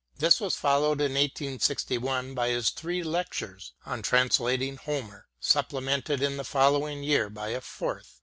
This was followed in 1 861 by his three lectures " On Translating Homer," supplemented in the following year by a fourth.